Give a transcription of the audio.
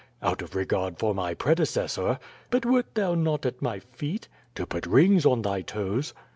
"Out of regard for my predecessor/' "But wert thou not at my feet?" "To put rings on thy toes."